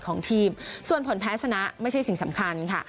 ของทีมส่วนผลแพ้ชนะไม่ใช่สิ่งสำคัญค่ะ